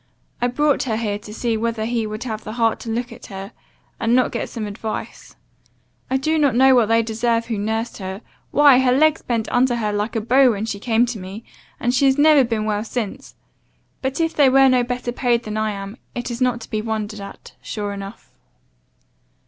'I brought her here to see whether he would have the heart to look at her, and not get some advice. I do not know what they deserve who nursed her. Why, her legs bent under her like a bow when she came to me, and she has never been well since; but, if they were no better paid than I am, it is not to be wondered at, sure enough.